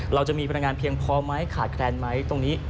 เราจะมีพลังงานเพียงพอไหมขาดแคลนไหมตรงนี้